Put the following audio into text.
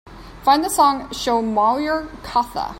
Find the song Shomoyer Kotha